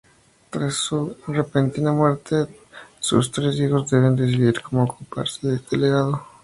Tras su repentina muerte, sus tres hijos deben decidir cómo ocuparse de este legado.